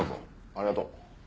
ありがとう。